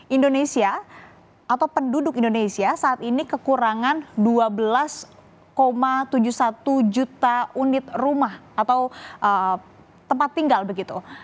indonesia atau penduduk indonesia saat ini kekurangan dua belas tujuh puluh satu juta unit rumah atau tempat tinggal begitu